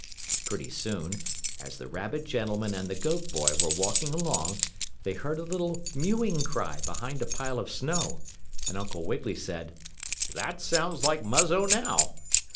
Pretty soon, as the rabbit gentleman and the goat boy were walking along they heard a little mewing cry behind a pile of snow, and Uncle Wiggily said: "That sounds like Muzzo now."